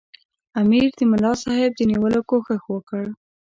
امیر د ملاصاحب د نیولو کوښښ وکړ.